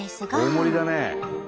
大盛りだね。